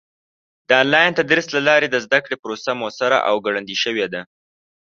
د آنلاین تدریس له لارې د زده کړې پروسه موثره او ګړندۍ شوې ده.